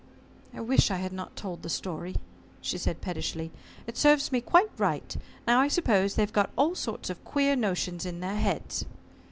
"I wish I had not told the old story," she said pettishly. "It serves me quite right. Now I suppose they've got all sorts of queer notions in their heads."